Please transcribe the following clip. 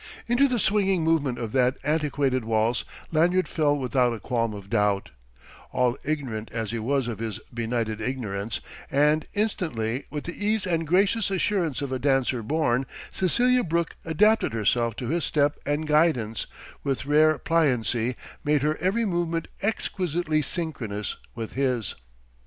Into the swinging movement of that antiquated waltz Lanyard fell without a qualm of doubt, all ignorant as he was of his benighted ignorance; and instantly, with the ease and gracious assurance of a dancer born, Cecelia Brooke adapted herself to his step and guidance, with rare pliancy made her every movement exquisitely synchronous with his.